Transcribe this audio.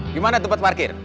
gimana tempat parkir